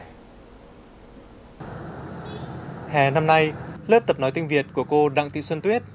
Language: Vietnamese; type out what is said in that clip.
hè năm nay lớp tập nói tiếng việt của cô đặng thị xuân tuyết